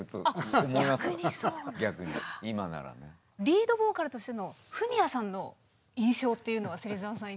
リードボーカルとしてのフミヤさんの印象っていうのは芹澤さん。